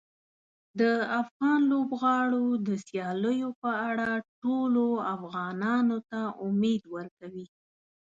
د افغان لوبغاړو د سیالیو په اړه ټولو افغانانو ته امید ورکوي.